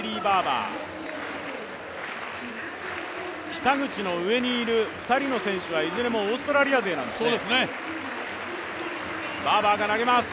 北口の上にいる２人の選手はいずれもオーストラリア勢ですね。